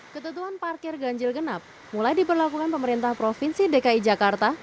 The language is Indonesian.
ketentuan parkir ganjil genap mulai diberlakukan pemerintah provinsi dki jakarta